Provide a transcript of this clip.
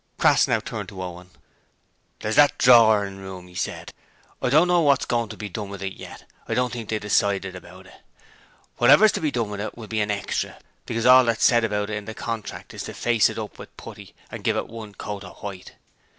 Crass now turned to Owen. 'There's that drorin' room,' he said. 'I don't know what's goin' to be done with that yet. I don't think they've decided about it. Whatever's to be done to it will be an extra, because all that's said about it in the contract is to face it up with putty and give it one coat of white.